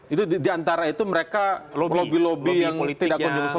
itu diantara itu mereka lobi lobi yang tidak kunjung selesai ya